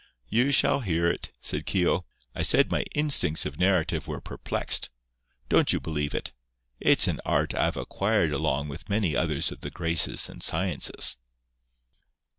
"You shall hear it," said Keogh. "I said my instincts of narrative were perplexed. Don't you believe it. It's an art I've acquired along with many other of the graces and sciences."